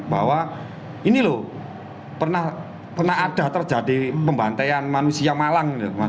bahwa ini loh pernah ada terjadi pembantaian manusia malang